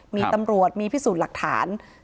มีตำรวจมีพิสูจน์หลักฐาน